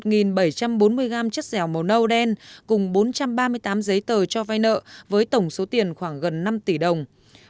một mươi một bảy trăm bốn mươi gram chất dẻo màu nâu đen cùng bốn trăm ba mươi tám giấy tờ cho vai nợ với tổng số tiền khoảng gần năm tỷ đồng